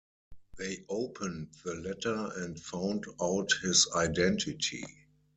They opened the letter and found out his identity.